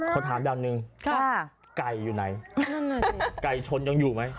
ขอถามอย่างหนึ่งไก่อยู่ไหนไก่ชนยังอยู่ไหม